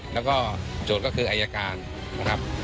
แล้วก็โจทย์ก็คืออายการนะครับ